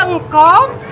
iya ada ngom